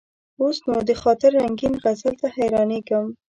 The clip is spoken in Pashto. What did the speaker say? اوس نو: د خاطر رنګین غزل ته حیرانېږم.